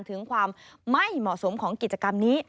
ถึงความไม่เหมาะสมของกิจกรรมนี้